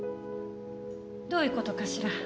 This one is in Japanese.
どういうことかしら？